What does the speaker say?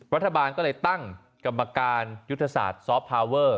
รัฐบาลก็เลยตั้งกรรมการยุทธศาสตร์ซอฟต์พาวเวอร์